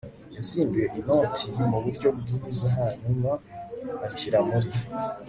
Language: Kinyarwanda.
yazinduye inoti muburyo bwiza hanyuma azishyira muri